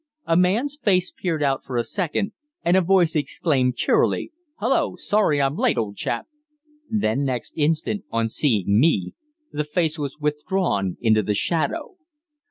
A man's face peered out for a second, and a voice exclaimed cheerily "Hulloa! Sorry I'm late, old chap!" Then, next instant, on seeing me, the face was withdrawn into the shadow.